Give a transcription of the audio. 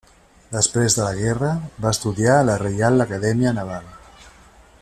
Després de la guerra, va estudiar a la Reial Acadèmia Naval.